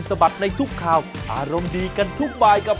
สวัสดีครับ